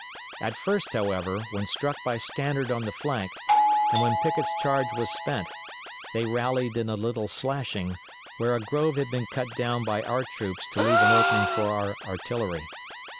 At first, however, when struck by Stannard on the flank, and when Pickett's charge was spent, they rallied in a little slashing, where a grove had been cut down by our troops to leave an opening for our artillery.